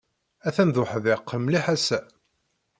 Atan d uḥdiq mliḥ ass-a.